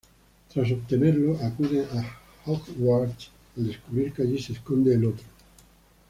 Tras obtenerlo, acuden a Hogwarts al descubrir que allí se esconde otro.